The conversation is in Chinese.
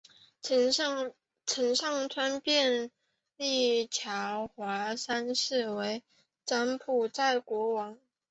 陈上川便立乔华三世为柬埔寨国王。